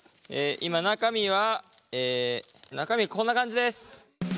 今中身はえ中身はこんな感じです！